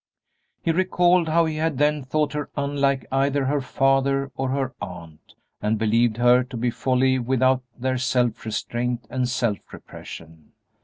He recalled how he had then thought her unlike either her father or her aunt, and believed her to be wholly without their self restraint and self repression.